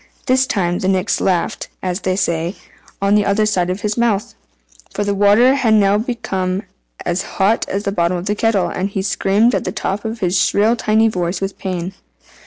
This time the Nix laughed (as they say) on the other side of his mouth; for the water had now become as hot as the bottom of the kettle, and he screamed at the top of his shrill tiny voice with pain.